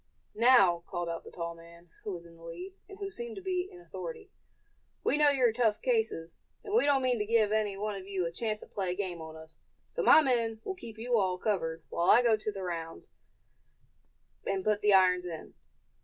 "Now," called out the tall man who was in the lead, and who seemed to be in authority, "we know you're tough cases, and we don't mean to give any one of you a chance to play a game on us; so my men will keep you all covered, while I go the rounds, and put the irons on."